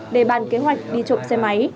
để bàn kế hoạch đi trộm xe máy